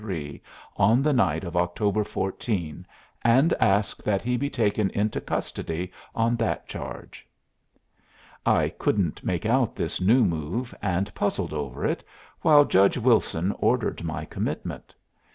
3 on the night of October 14, and ask that he be taken into custody on that charge." I couldn't make out this new move, and puzzled over it, while Judge Wilson ordered my commitment.